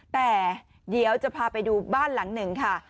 แต่เดี๋ยวจะพาไปดูบ้านหลังหนึ่งค่ะ